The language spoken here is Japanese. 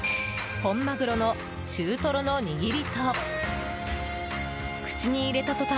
本マグロの大トロの握り！